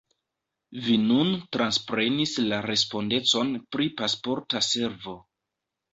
Vi nun transprenis la respondecon pri Pasporta Servo.